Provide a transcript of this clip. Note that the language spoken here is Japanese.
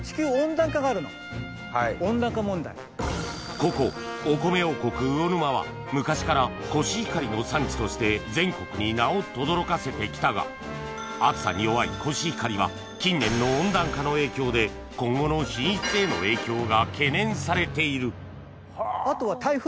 ここお米王国魚沼は昔からコシヒカリの産地として全国に名をとどろかせて来たがは近年の温暖化の影響で今後の品質への影響が懸念されているあとは台風。